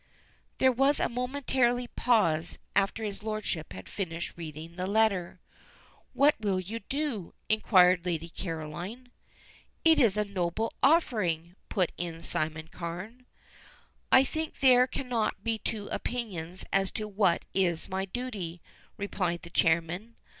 There was a momentary pause after his lordship had finished reading the letter. "What will you do?" inquired Lady Caroline. "It is a noble offering," put in Simon Carne. "I think there cannot be two opinions as to what is my duty," replied the chairman.